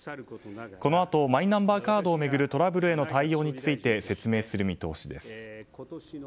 このあとマイナンバーカードを巡るトラブルへの対応について説明する見通しです。